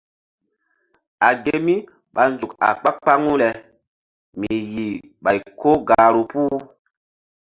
A ge mí ɓa nzuk a kpa-kpaŋu le mi yih ɓay ko gahru puh.